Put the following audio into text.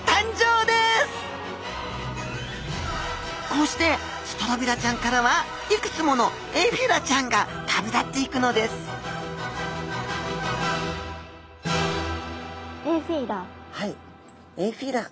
こうしてストロビラちゃんからはいくつものエフィラちゃんが旅立っていくのですエフィラ？